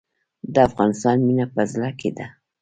د افغانستان مینه په زړه کې ده